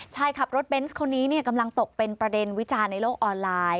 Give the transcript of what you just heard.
ชายขับรถเบนส์คนนี้กำลังตกเป็นประเด็นวิจารณ์ในโลกออนไลน์